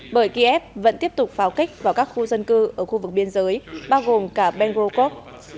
bởi kiev vẫn tiếp tục pháo kích vào các khu dân cư ở khu vực biên giới bao gồm cả bengrokov